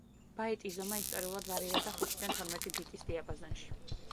ბაიტის ზომა ისტორიულად ვარირებდა ხუთიდან თორმეტი ბიტის დიაპაზონში.